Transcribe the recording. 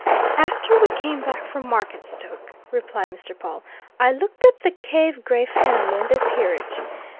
"After we came back from Marketstoke," replied Mr. Pawle, "I looked up the Cave Gray family and their peerage.